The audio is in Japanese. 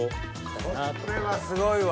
これはすごいわ！